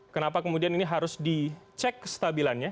kenapa kemudian ini harus dicek stabilannya